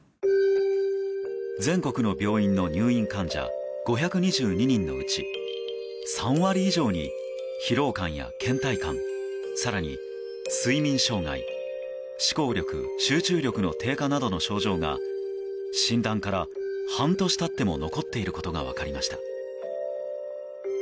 全国の病院の入院患者５２２人のうち３割以上に疲労感や倦怠感更に睡眠障害、思考力・集中力の低下などの症状が診断から半年経っても残っていることが分かりました。